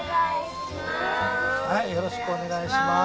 よろしくお願いします。